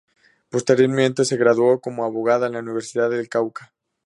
Posteriormente se graduó como abogado en la Universidad del Cauca.